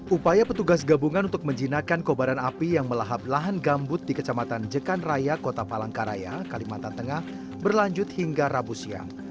upaya petugas gabungan untuk menjinakkan kobaran api yang melahap lahan gambut di kecamatan jekan raya kota palangkaraya kalimantan tengah berlanjut hingga rabu siang